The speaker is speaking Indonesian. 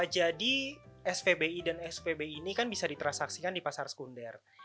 jadi spbi dan sufbi ini kan bisa ditransaksikan di pasar sekunder